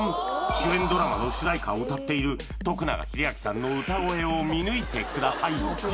主演ドラマの主題歌を歌っている永英明さんの歌声を見抜いてください